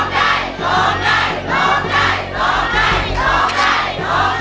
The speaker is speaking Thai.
ร้องได้